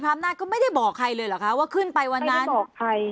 อำนาจก็ไม่ได้บอกใครเลยเหรอคะว่าขึ้นไปวันนั้นบอกใคร